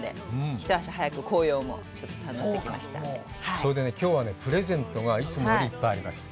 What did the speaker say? それできょうは、プレゼントが、いつもよりいっぱいあります。